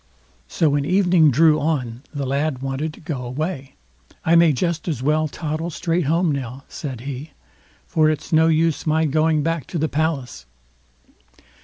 So, when evening drew on, the lad wanted to go away. "I may just as well toddle straight home now", said he, "for it's no use my going back to the palace."